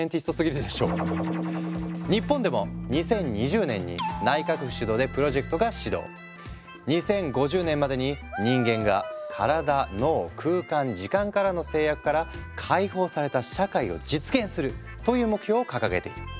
日本でも２０２０年に２０５０年までに人間が身体脳空間時間からの制約から解放された社会を実現するという目標を掲げている。